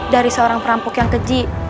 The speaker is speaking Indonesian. dari seorang perampok yang keji